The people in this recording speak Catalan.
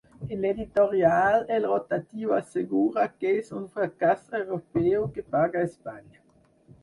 En l’editorial, el rotatiu assegura que és un fracàs europeu que paga Espanya.